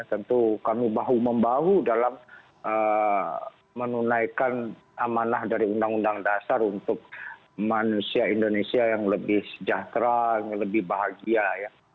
tentu kami bahu membahu dalam menunaikan amanah dari undang undang dasar untuk manusia indonesia yang lebih sejahtera yang lebih bahagia